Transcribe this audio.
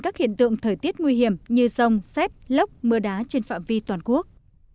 các hiện tượng thời tiết nguy hiểm như sông xét lốc mưa đá trên phạm vi toàn quốc